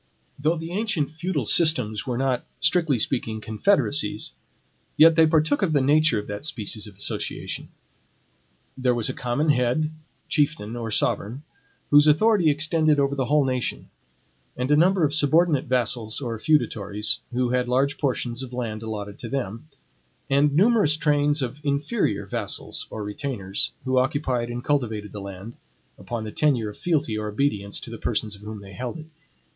Though the ancient feudal systems were not, strictly speaking, confederacies, yet they partook of the nature of that species of association. There was a common head, chieftain, or sovereign, whose authority extended over the whole nation; and a number of subordinate vassals, or feudatories, who had large portions of land allotted to them, and numerous trains of INFERIOR vassals or retainers, who occupied and cultivated that land upon the tenure of fealty or obedience, to the persons of whom they held it.